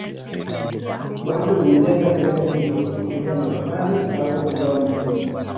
Watu hujenga sehemu hizo kwa kutumia matofali au udongo.